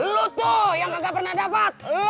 lu tuh yang gak pernah dapat